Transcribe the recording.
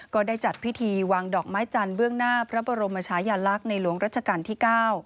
ก็ได้จัดพิธีวางดอกไม้จันทร์เบื้องหน้าพระบรมชายลักษณ์ในหลวงรัชกาลที่๙